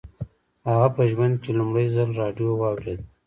هغه په ژوند کې لومړي ځل راډیو واورېده